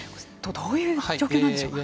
どういう状況なんでしょうか。